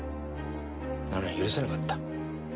なのに許せなかった。